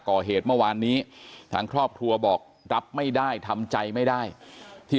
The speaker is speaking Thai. ก่อเหตุเมื่อวานนี้ทางครอบครัวบอกรับไม่ได้ทำใจไม่ได้ที่